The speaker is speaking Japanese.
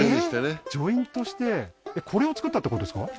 ジョイントしてこれを作ったってことですか？